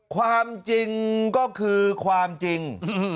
ความจริงก็คือความจริง